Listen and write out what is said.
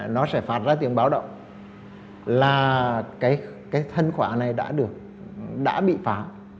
nó sẽ phát ra tiếng báo động là cái thân khóa này đã được đã bị phá